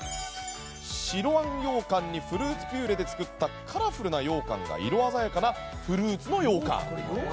白あんようかんにフルーツピューレで作ったカラフルなようかんが色鮮やかな、フルーツの羊羹。